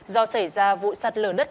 do xảy ra vụ sạt lở đất